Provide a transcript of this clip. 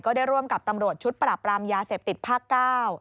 ได้ร่วมกับตำรวจชุดปราบรามยาเสพติดภาคเก้า